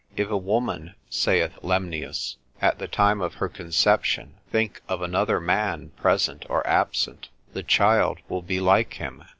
If a woman (saith Lemnius), at the time of her conception think of another man present or absent, the child will be like him.